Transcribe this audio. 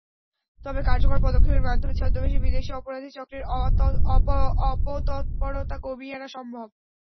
তবে কার্যকর পদক্ষেপের মাধ্যমে ছদ্মবেশী বিদেশি অপরাধী চক্রের অপতৎপরতা কমিয়ে আনা সম্ভব।